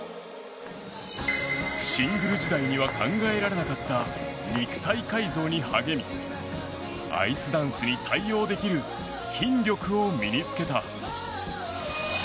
シングル時代には考えられなかった肉体改造に励みアイスダンスに対応できる筋力を身に着けた。